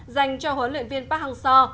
dành cho huấn luyện viên park hang seo